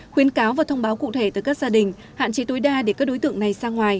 khuyến cáo và thông báo cụ thể tới các gia đình hạn chế tối đa để các đối tượng này ra ngoài